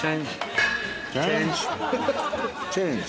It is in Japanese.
チェンジ。